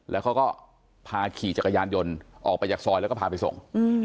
แล้วเขาก็พาขี่จักรยานยนต์ออกไปจากซอยแล้วก็พาไปส่ง